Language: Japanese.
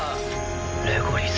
レゴリス。